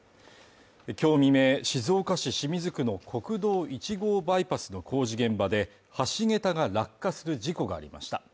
今日未明、静岡市清水区の国道１号バイパスの工事現場で橋げたが落下する事故がありました。